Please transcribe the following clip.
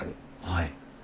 はい。